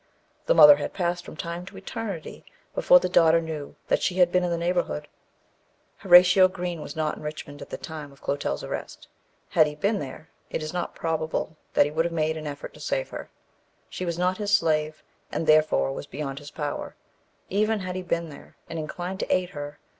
The mother had passed from time to eternity before the daughter knew that she had been in the neighbourhood. Horatio Green was not in Richmond at the time of Clotel's arrest; had he been there, it is not probable but he would have made an effort to save her. She was not his slave, and therefore was beyond his power, even had he been there and inclined to aid her.